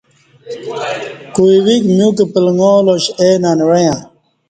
کوئی ویک میوک پلݣالاش اے ننوعݩہ